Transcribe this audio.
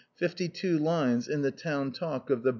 fifty two lines in the town talk of the